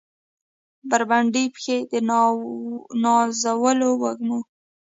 بربنډې پښې د نازولو وږمو